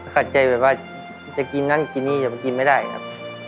ขัดใจแบบว่าจะกินนั่นกินนี่อย่ามากินไม่ได้ครับ